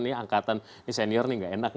ini angkatan senior ini gak enak